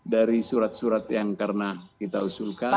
dari surat surat yang karena kita usulkan